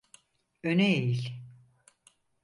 Öne eğil.